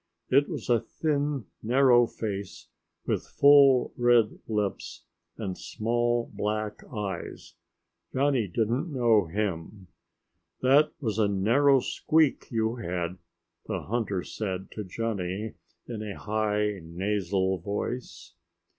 It was a thin, narrow face with full red lips and small black eyes. Johnny didn't know him. "That was a narrow squeak you had," the hunter said to Johnny, in a high, nasal voice.